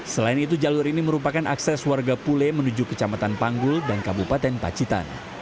selain itu jalur ini merupakan akses warga pule menuju kecamatan panggul dan kabupaten pacitan